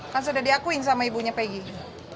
kan sudah diakuin sama ibunya pegg